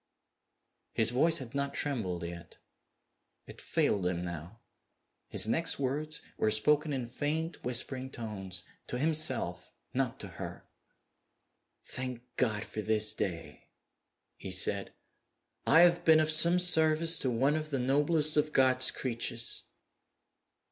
His voice had not trembled yet. It failed him now. His next words were spoken in faint whispering tones to himself; not to her. "Thank God for this day!" he said. "I have been of some service to one of the noblest of God's creatures!"